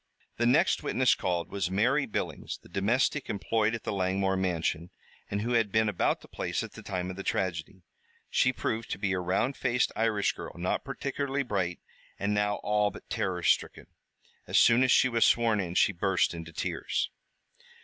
The next witness called was Mary Billings, the domestic employed at the Langmore mansion, and who had been about the place at the time of the tragedy. She proved to be a round faced Irish girl, not particularly bright, and now all but terror stricken. As soon as she was sworn in she burst into tears.